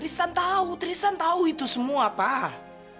tristan tahu tristan tahu itu semua pak